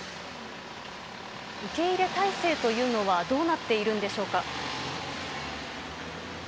受け入れ態勢というのはどうなっているんでしょうか。